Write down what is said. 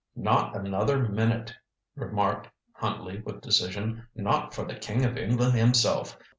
"Not another minute," remarked Huntley with decision. "Not for the King of England himself.